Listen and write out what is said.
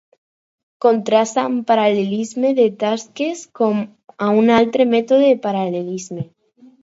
Contrasta amb paral·lelisme de tasques com a un altre mètode de paral·lelisme.